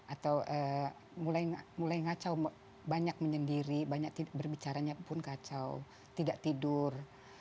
atau mulai ngacau banyak menyendiri banyak berbicaranya pun kacau tidak tidur